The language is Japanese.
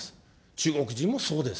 中国人もそうです。